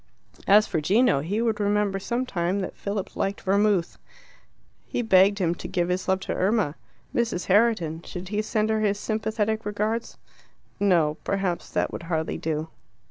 As for Gino, he would remember some time that Philip liked vermouth. He begged him to give his love to Irma. Mrs. Herriton should he send her his sympathetic regards? No; perhaps that would hardly do.